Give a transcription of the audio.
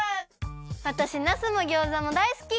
わたしなすもギョーザもだいすき！